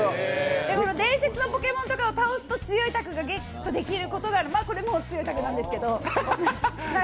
伝説のポケモンを倒すと強いタグをゲットすることができてこれも強いタグなんですけど。